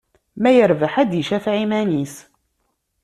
Ma yerbeḥ, ad d-icafeɛ iman-is.